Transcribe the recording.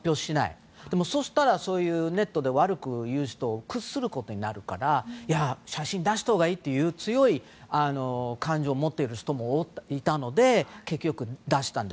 そしたら、そういうネットで悪く言う人に屈することになるから出したほうがいいという強い感情を持っている人も多くいたので結局、出したので。